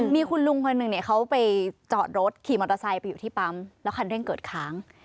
มีคุณลุงคนหนึ่งเนี่ยเขาไปจอดรถขี่มอเตอร์ไซค์ไปอยู่ที่ปั๊มแล้วคันเร่งเกิดค้าง